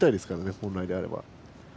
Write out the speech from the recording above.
本来であれば。